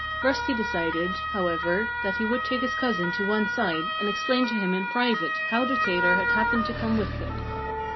Rusty decided, however, that he would take his cousin to one side and explain to him in private how the tailor had happened to come with him.